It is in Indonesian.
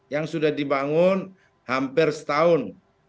yang sudah dibangun hampir setahun